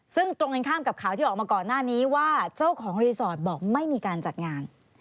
ซึ่งตรงกันข้ามกับข่าวที่ออกมาก่อนหน้านี้ว่าเจ้าของรีสอร์ทบอกไม่มีการจัดงาน